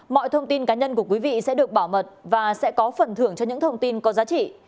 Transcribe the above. mọi thông tin cá nhân của quý vị sẽ được bảo mật và sẽ có phần thưởng cho những thông tin có giá trị